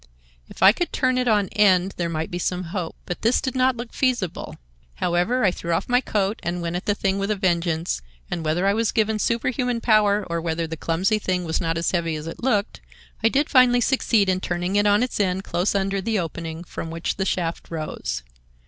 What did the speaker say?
If I could turn it on end there might be some hope. But this did not look feasible. However, I threw off my coat and went at the thing with a vengeance, and whether I was given superhuman power or whether the clumsy thing was not as heavy as it looked, I did finally succeed in turning it on its end close under the opening from which the shaft rose.